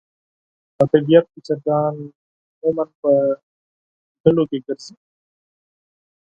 په طبیعت کې چرګان عموماً په ګروپونو کې ګرځي.